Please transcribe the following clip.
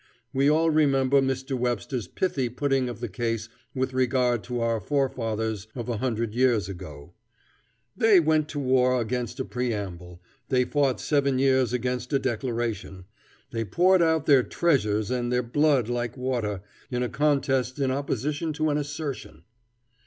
We all remember Mr. Webster's pithy putting of the case with regard to our forefathers of a hundred years ago: "They went to war against a preamble. They fought seven years against a declaration. They poured out their treasures and their blood like water, in a contest in opposition to an assertion."